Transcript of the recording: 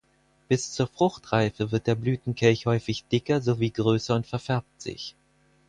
Bis zur Fruchtreife wird der Blütenkelch häufig dicker sowie größer und verfärbt sich.